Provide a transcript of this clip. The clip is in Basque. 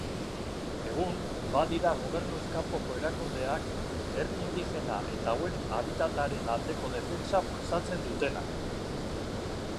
Egun, badira Gobernuz Kanpoko Erakundeak herri indigena eta hauen habitataren aldeko defentsa bultzatzen dutenak.